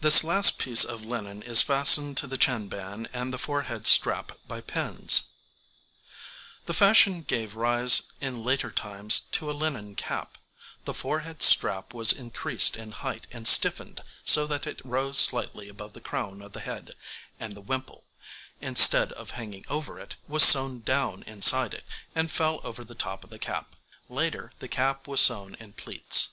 This last piece of linen is fastened to the chin band and the forehead strap by pins. [Illustration: {Four steps to dress a woman's hair}] This fashion gave rise in later times to a linen cap; the forehead strap was increased in height and stiffened so that it rose slightly above the crown of the head, and the wimple, instead of hanging over it, was sewn down inside it, and fell over the top of the cap. Later the cap was sewn in pleats.